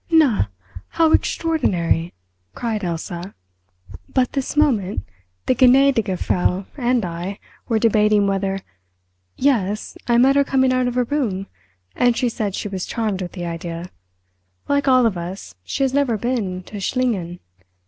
"Na, how extraordinary!" cried Elsa. "But this moment the gnädige Frau and I were debating whether—" "Yes, I met her coming out of her room and she said she was charmed with the idea. Like all of us, she has never been to Schlingen.